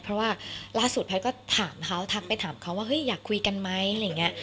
เพราะว่าล่าสุดแพทย์ก็ถามเขาทักไปถามเขาว่าเฮ้ยอยากคุยกันไหมอะไรอย่างนี้